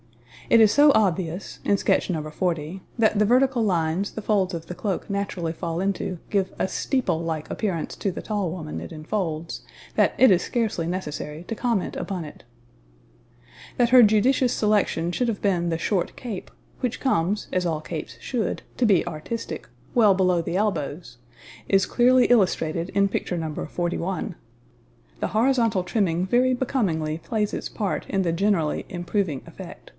It is so obvious, in sketch No. 40, that the vertical lines the folds of the cloak naturally fall into give a steeple like appearance to the tall woman it enfolds, that it is scarcely necessary to comment upon it. [Illustration: NO. 40] That her judicious selection should have been the short cape, which comes, as all capes should, to be artistic, well below the elbows, is clearly illustrated in picture No. 41. The horizontal trimming very becomingly plays its part in the generally improving effect.